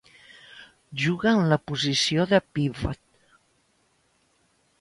Juga en la posició de Pivot.